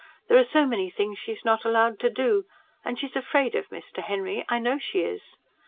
There are so many things she's not allowed to do and she's afraid of Mr. Henry, I know she is.